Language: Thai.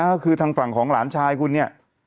ก็คือทางฝั่งของหลานชายคุณเนี่ย